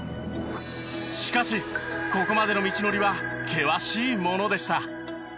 しかしここまでの道のりは険しいものでした。